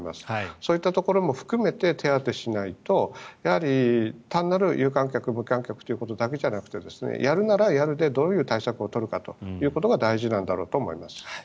そういったところも含めて手当てしないとやはり単なる有観客、無観客だということだけじゃなくてやるならやるでどういう対策を取るかということが大事なんだろうと思います。